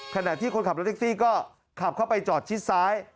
ขณะที่คนขับรถแท็กซี่ก็ขับเข้าไปจอดชิดซ้าย